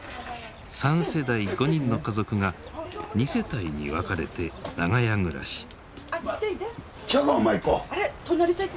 ３世代５人の家族が２世帯に分かれて長屋暮らし。